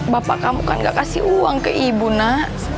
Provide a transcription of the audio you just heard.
bapak kamu kan gak kasih uang ke ibu nak